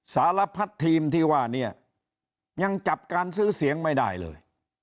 สารพัดทีมที่ว่าเนี่ยยังจับการซื้อเสียงไม่ได้เลย